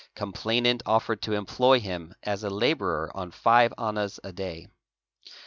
Complainant offered to employ him as a labourer on five P nnasaday.